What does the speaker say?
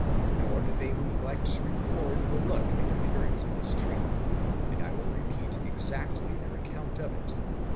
. Nor did they neglect to record the look and appearance of this tree, and I will repeat exactly their account _of it.